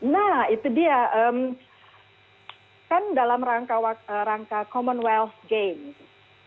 nah itu dia kan dalam rangka commonwealth games